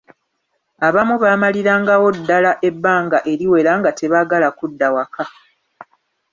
Abamu baamalirangawo ddala ebbanga eriwera nga tebaagala kudda waka!